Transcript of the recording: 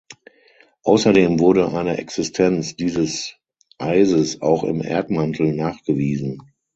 Außerdem wurde eine Existenz dieses Eises auch im Erdmantel nachgewiesen.